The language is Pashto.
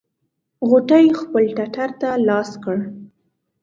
غوټۍ خپل ټټر ته لاس کړ.